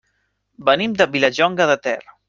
Venim de Vilallonga de Ter.